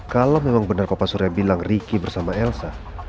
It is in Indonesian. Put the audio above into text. kalau memang benar bapak surya bilang ricky bersama elsa